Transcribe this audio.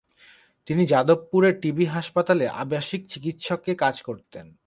তিনি যাদবপুরের T B হাসপাতালে আবাসিক চিকিৎসকের কাজ করতেন।